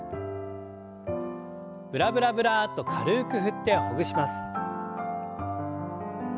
ブラブラブラッと軽く振ってほぐします。